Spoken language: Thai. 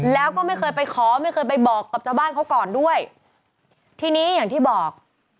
แล้วก็ไม่เคยไปขอไม่เคยไปบอกกับชาวบ้านเขาก่อนด้วยทีนี้อย่างที่บอก